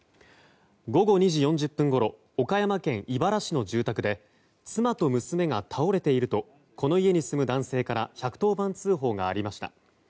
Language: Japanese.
午後２時４０分ごろ岡山県井原市の住宅で妻と娘が倒れているとこの家に住む男性から１１０番通報がありました。